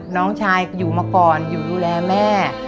น้องชายอยู่มาก่อนอยู่ดูแลแม่